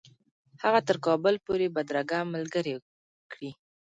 هغه تر کابل پوري بدرګه ملګرې کړي.